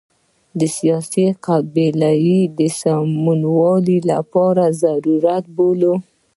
د سیاسي قبلې د سمولو لپاره ضرورت وبولو.